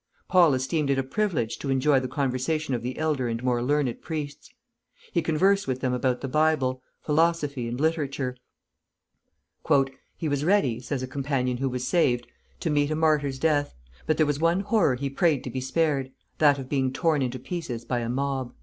Paul esteemed it a privilege to enjoy the conversation of the elder and more learned priests. He conversed with them about the Bible, philosophy, and literature; "He was ready," says a companion who was saved, "to meet a martyr's death; but there was one horror he prayed to be spared, that of being torn in pieces by a mob."